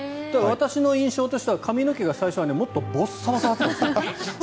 私の印象としては髪の毛が最初はもっとボッサボサだったんです。